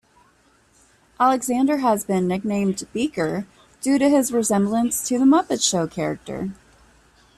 Alexander has been nicknamed "Beaker" due to his resemblance to "The Muppet Show" character.